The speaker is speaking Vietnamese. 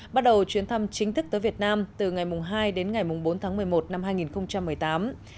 bắt đầu chuyến thăm chính thức tới việt nam từ ngày hai đến ngày bốn tháng một mươi một năm hai nghìn một mươi tám